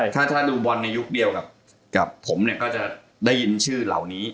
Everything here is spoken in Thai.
ถ้าดูบอลในยุคเดียวกับผมเนี่ยก็จะได้ยินชื่อเหล่านี้